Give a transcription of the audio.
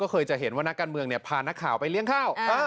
เคยจะเห็นว่านักการเมืองพานักข่าวไปเลี้ยงข้าว